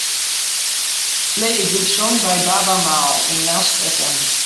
play a good song by Baaba Maal on Lastfm